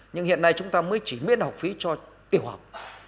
nhưng hiện nay chúng ta mới chỉ miễn học phí cho tiểu học